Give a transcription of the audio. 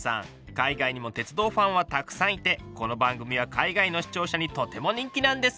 海外にも鉄道ファンはたくさんいてこの番組は海外の視聴者にとても人気なんです！